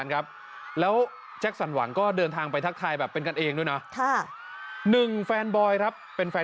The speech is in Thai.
รอแจกฟังฟังไม่คิดฟังอะไร